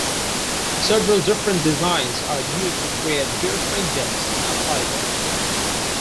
Several different designs are used to create birefringence in a fiber.